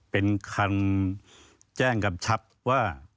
เป็นคำแจ้งกำชับว่า